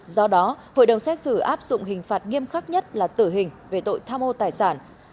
do đó hội đồng xét xử áp dụng hình phạt nghiêm khắc nhất là tử hình về tội tham ô tài sản